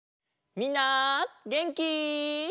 みんなげんき？